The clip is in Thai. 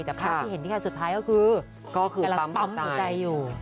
แต่ภาพที่เห็นที่สุดท้ายก็คือกำลังป้องใจอยู่